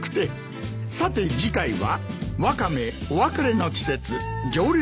さて次回は。